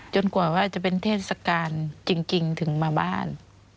กว่าว่าจะเป็นเทศกาลจริงถึงมาบ้าน